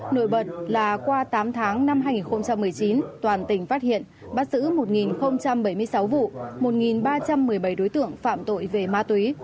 nổi bật là qua tám tháng năm hai nghìn một mươi chín toàn tỉnh phát hiện bắt giữ một bảy mươi sáu vụ một ba trăm một mươi bảy đối tượng phạm tội về ma túy